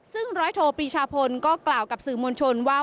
ซึ่งร้อยโทปรีชาพลก็กล่าวกับสื่อมวลชนว่า